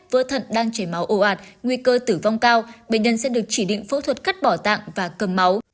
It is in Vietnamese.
vỡ thận đang chảy máu ồ ạt nguy cơ tử vong cao bệnh nhân sẽ được chỉ định phẫu thuật cắt bỏ tạng và cầm máu